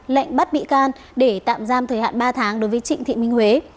lệnh bắt bị can để tạm giam thời hạn ba tháng đối với trịnh thị minh huế